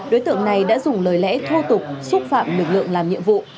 đối tượng này đã dùng lời lẽ thô tục xúc phạm lực lượng làm nhiệm vụ